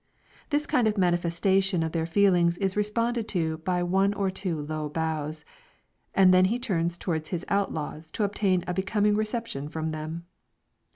This kind manifestation of their feelings is responded to by one or two low bows, and then he turns towards his outlaws to obtain a becoming reception from them.